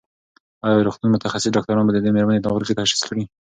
ایا د روغتون متخصص ډاکټران به د دې مېرمنې ناروغي تشخیص کړي؟